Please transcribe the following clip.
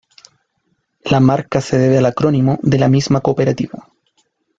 La marca se debe al acrónimo de las misma cooperativa.